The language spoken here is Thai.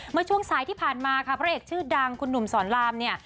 เมื่อช่วงสายที่ผ่านมาค่ะพระเอกชื่อดังคุณหนุ่มสอนรามเนี่ย